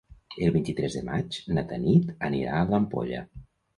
El vint-i-tres de maig na Tanit anirà a l'Ampolla.